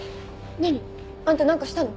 何？あんた何かしたの？